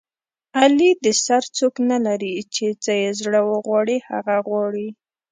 علي د سر څوک نه لري چې څه یې زړه و غواړي هغه غواړي.